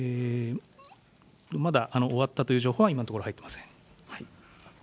まだ終わったという情報は今のところ、入っていません。